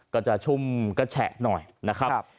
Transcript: จะชุ่มกระแฉะหน่อยนะครับ